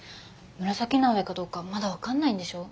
紫の上かどうかまだ分かんないんでしょ？